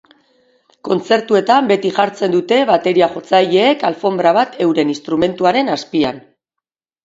Kontzertuetan beti jartzen dute bateria-jotzaileek alfonbra bat euren instrumentuaren azpian.